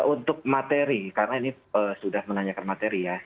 untuk materi karena ini sudah menanyakan materi ya